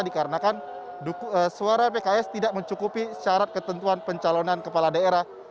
dikarenakan suara pks tidak mencukupi syarat ketentuan pencalonan kepala daerah